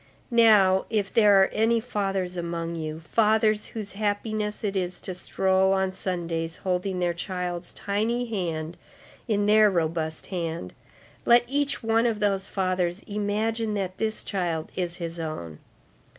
Now, if there are any fathers among you, fathers whose happiness it is to stroll on Sundays holding their child's tiny hand in their robust hand, let each one of those fathers imagine that this child is his own.